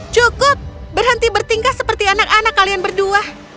cukup berhenti bertingkah seperti anak anak kalian berdua